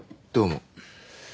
どうも。